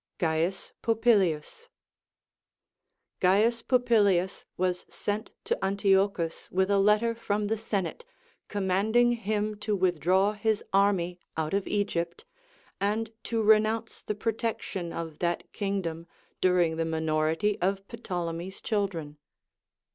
C. PopiLius. C. Popilius was sent to Antiochus with a letter from the senate, commanding him to withdraw his AND GREAT COMM.\NDERS. 211 army out of Egypt, and to renounce the protection of that kmgclom during the minority of Ptolemy's children.